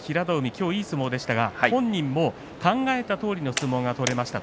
今日いい相撲でしたが本人も考えたとおりの相撲が取れました。